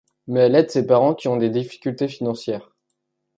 Mais elle aide ses parents qui ont des difficultés financières.